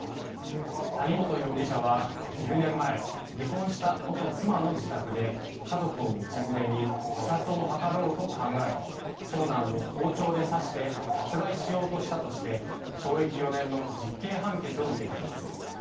谷本容疑者は、１０年前離婚した元妻の自宅で家族を道連れに自殺を図ろうと考長男を包丁で刺して殺害しようとしたとして懲役４年の実刑判決を受けています。